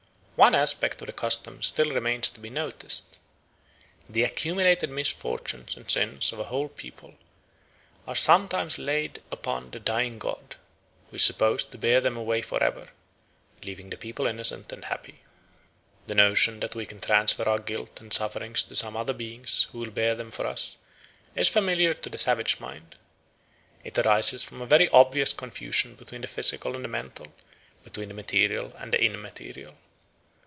One aspect of the custom still remains to be noticed. The accumulated misfortunes and sins of the whole people are sometimes laid upon the dying god, who is supposed to bear them away for ever, leaving the people innocent and happy. The notion that we can transfer our guilt and sufferings to some other being who will bear them for us is familiar to the savage mind. It arises from a very obvious confusion between the physical and the mental, between the material and the immaterial.